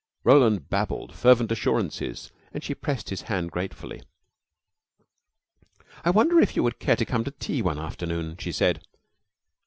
Roland babbled fervent assurances, and she pressed his hand gratefully. "I wonder if you would care to come to tea one afternoon," she said.